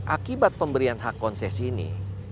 akibat pemberian hak konses ini